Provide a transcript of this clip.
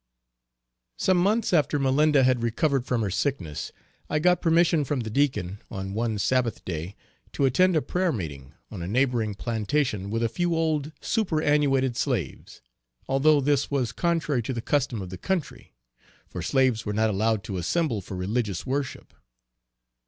_ Some months after Malinda had recovered from her sickness, I got permission from the Deacon, on one Sabbath day, to attend a prayer meeting, on a neighboring plantation, with a few old superannuated slaves, although this was contrary to the custom of the country for slaves were not allowed to assemble for religious worship.